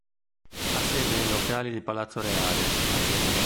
Ha sede nei locali di Palazzo Reale, a Genova.